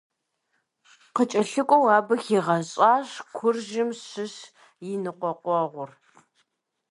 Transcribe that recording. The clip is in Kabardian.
Къыкӏэлъыкӏуэу абы хигъэщӏащ Куржым щыщ и ныкъуэкъуэгъур.